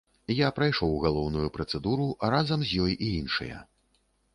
Я прайшоў галоўную працэдуру, а разам з ёй і іншыя.